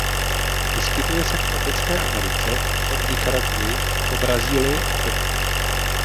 Vyskytuje se v tropické Americe od Nikaraguy po Brazílii a Peru.